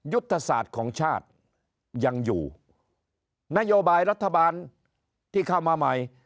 ยุทธศาสตร์ของชาติยังอยู่นโยบายรัฐบาลที่เข้ามาใหม่